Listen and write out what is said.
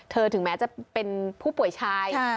ถึงแม้จะเป็นผู้ป่วยชาย